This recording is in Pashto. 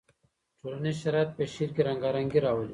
ټولنیز شرایط په شعر کې رنګارنګي راولي.